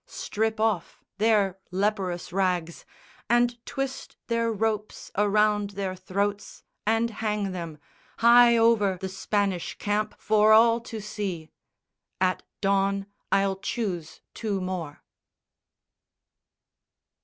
Strip off their leprous rags And twist their ropes around their throats and hang them High over the Spanish camp for all to see. At dawn I'll choose two more."